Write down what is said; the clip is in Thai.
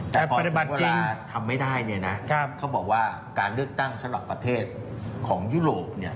แต่พอเรียกว่าทำไม่ได้เนี่ยนะเขาบอกว่าการเลือกตั้งสำหรับประเทศของยุโรป